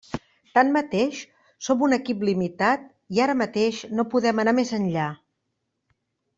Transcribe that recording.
Tanmateix, som un equip limitat i ara mateix no podem anar més enllà.